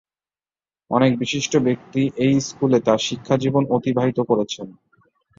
অনেক বিশিষ্ট ব্যক্তি এই স্কুলে তার শিক্ষাজীবন অতিবাহিত করেছেন।